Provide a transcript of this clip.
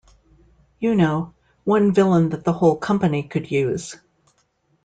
You know, one villain that the whole company could use.